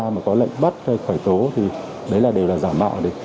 mà có lệnh bắt hay khởi tố thì đấy là đều là giả mạo